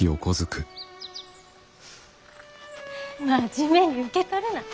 真面目に受け取るな。